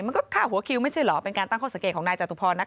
มันก็ฆ่าหัวคิวไม่ใช่เหรอเป็นการตั้งข้อสังเกตของนายจตุพรนะคะ